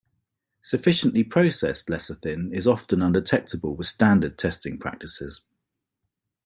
Sufficiently processed lecithin is often undetectable with standard testing practices.